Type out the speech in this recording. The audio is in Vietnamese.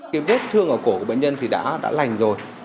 cái vết thương ở cổ của bệnh nhân thì đã lành rồi